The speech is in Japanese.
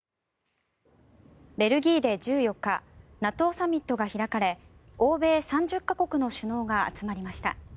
ベルギーで１４日ＮＡＴＯサミットが開かれ欧米３０か国の首脳が集まりました。